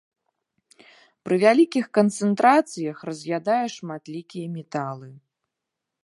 Пры вялікіх канцэнтрацыях раз'ядае шматлікія металы.